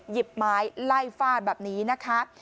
หยิบไม้ไล่ฟาดแบบนี้นะคะ